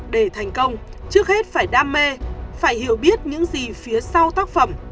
để thành công trước hết phải đam mê phải hiểu biết những gì phía sau tác phẩm